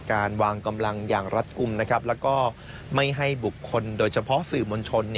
การวางกำลังอย่างรัดอุ้มนะครับและไม่ให้บุคคลโดยเฉพาะสื่อมณชน